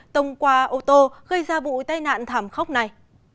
tông qua ô tô gây ra vụ tai nạn thảm khốc này